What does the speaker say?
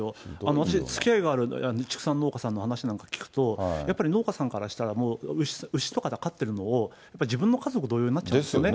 私、つきあいがある畜産農家さんの話を聞くと、やっぱり農家さんからしたらもう牛とか飼ってるのを、自分の家族同様になっちゃうんですよね。